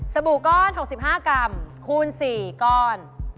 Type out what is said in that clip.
บู่ก้อน๖๕กรัมคูณ๔ก้อน